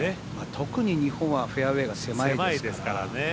特に日本はフェアウエーが狭いですから。